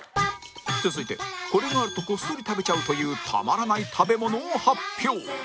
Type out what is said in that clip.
続いてこれがあるとこっそり食べちゃうというたまらない食べ物を発表